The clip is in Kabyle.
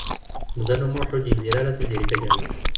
Meẓyan U Muḥ ur d-yebdir ara Tiziri Tagawawt.